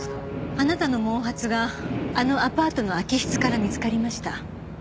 あなたの毛髪があのアパートの空き室から見つかりました。